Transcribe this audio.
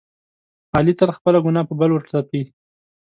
علي تل خپله ګناه په بل ورتپي.